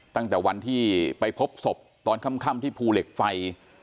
ตั้งแต่วันที่ไปพบศพตอนค่ำที่ภูเหล็กไฟ